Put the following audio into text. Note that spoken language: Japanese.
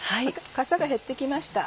かさが減って来ました。